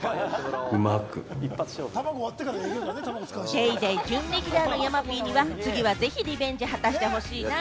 『ＤａｙＤａｙ．』準レギュラーの山Ｐには次はぜひリベンジを果たしてほしいな。